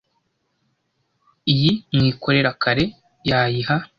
Iyi Mwikorerakare yayiha